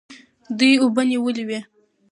دوی اوبه نیولې وې.